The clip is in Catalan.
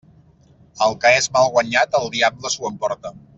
El que és mal guanyat el diable s'ho emporta.